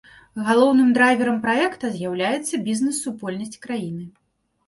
Галоўным драйверам праекта з'яўляецца бізнес-супольнасць краіны.